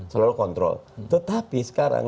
selalu kontrol tetapi sekarang